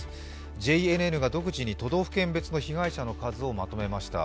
ＪＮＮが独自に都道府県別に被害者の数をまとめました。